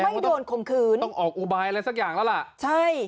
ต้องโดนข่มขืนต้องออกอุบายอะไรสักอย่างแล้วล่ะใช่